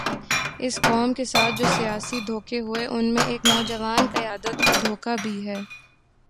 اس قوم کے ساتھ جو سیاسی دھوکے ہوئے، ان میں ایک نوجوان قیادت کا دھوکہ بھی ہے۔